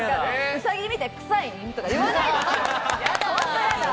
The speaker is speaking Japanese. うさぎ見て臭いねとか言わないで！